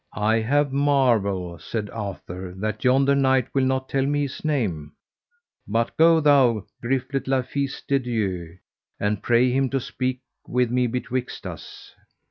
I have marvel, said Arthur, that yonder knight will not tell me his name, but go thou, Griflet le Fise de Dieu, and pray him to speak with me betwixt us.